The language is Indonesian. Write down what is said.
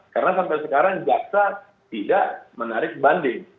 karena sampai sekarang jaksa tidak menarik banding